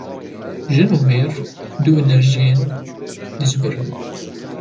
Jin û mêr, du enerjiyên dijber in